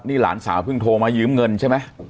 นี่หลานสาวเพิ่งโทรมายืมเงินใช่ไหม